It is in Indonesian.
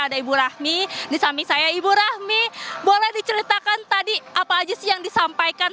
ada ibu rahmi di samping saya ibu rahmi boleh diceritakan tadi apa aja sih yang disampaikan